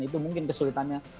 itu mungkin kesulitannya